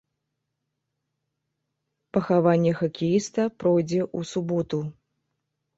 Пахаванне хакеіста пройдзе ў суботу.